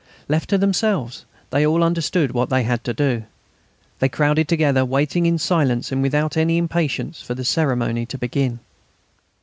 Left to themselves, they all understood what they had to do. They crowded together, waiting in silence and without any impatience for the ceremony to begin.